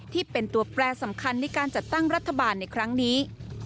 ที่เป็นตัวแปรสำคัญในการจัดตั้งรัฐบาลในครั้งนี้